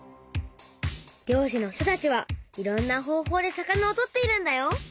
漁師の人たちはいろんな方法で魚をとっているんだよ。